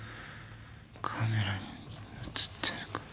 カメラに写ってるから。